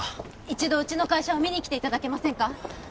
一度うちの会社を見に来ていただけませんか？